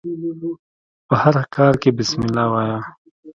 په هر کار کښي بسم الله وايه!